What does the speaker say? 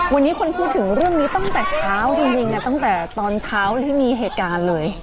วันนี้คนพูดถึงเรื่องนี้ตั้งแต่เช้าจริงตั้งแต่ตอนเช้าที่มีเหตุการณ์เลย